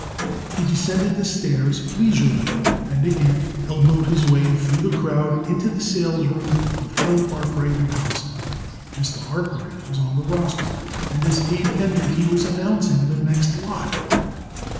He descended the stairs leisurely and again elbowed his way through the crowd into the salesroom of Hill, Arkwright & Thompson. Mr. Arkwright was on the rostrum, and as Abe entered he was announcing the next lot.